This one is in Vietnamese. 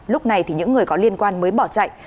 lúc này thì những người có liên quan mới bỏ chạy